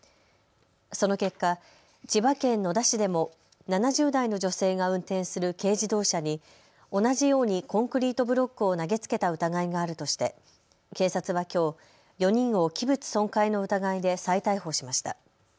その結果、千葉県野田市でも７０代の女性が運転する軽自動車に同じようにコンクリートブロックを投げつけた疑いがあるとして警察はきょう４人を器物損壊の疑いで再逮捕しました。